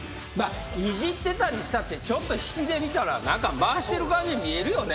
いじってたにしたってちょっと引きで見たら何か回してる感じに見えるよね。